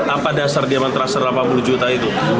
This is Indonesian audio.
apa dasar diamantraser delapan puluh juta itu